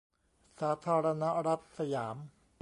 สาธารณรัฐสยาม